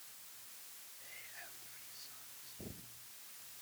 They have three sons.